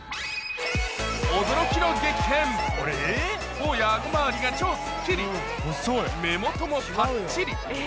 頬や顎まわりが超スッキリ目元もパッチリ！